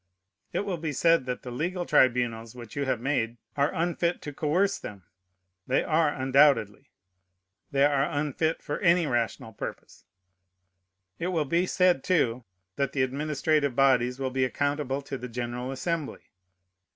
It will be said that the legal tribunals which you have made are unfit to coerce them. They are, undoubtedly. They are unfit for any rational purpose. It will be said, too, that the administrative bodies will be accountable to the general Assembly.